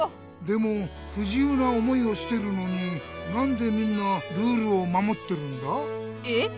でもふじゆうな思いをしてるのになんでみんなルールをまもってるんだ？え？